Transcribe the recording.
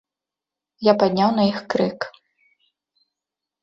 Я падняў на іх крык.